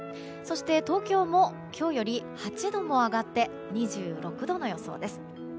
東京も、今日より８度も上がって２６度の予想です。